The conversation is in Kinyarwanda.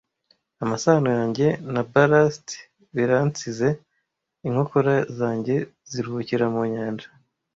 Amasano yanjye na ballast biransize, inkokora zanjye ziruhukira mu nyanja,